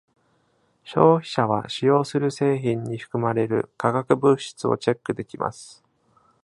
消費者は使用する製品に含まれる化学物質をチェックできます。